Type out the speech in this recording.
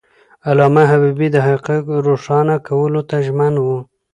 علامه حبيبي د حقایقو روښانه کولو ته ژمن و.